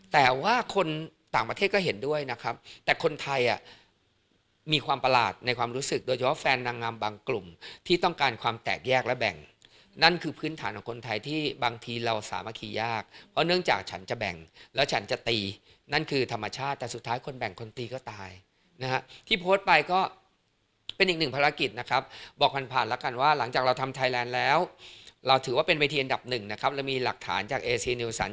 แต่นางงามบางกลุ่มที่ต้องการความแตกแยกและแบ่งนั่นคือพื้นฐานของคนไทยที่บางทีเราสามารถคียากเพราะเนื่องจากฉันจะแบ่งแล้วฉันจะตีนั่นคือธรรมชาติแต่สุดท้ายคนแบ่งคนตีก็ตายที่โพสต์ไปก็เป็นอีกหนึ่งภารกิจนะครับบอกผ่านแล้วกันว่าหลังจากเราทำไทยแล้วเราถือว่าเป็นเวทีอันดับหนึ่งนะครับแล้วม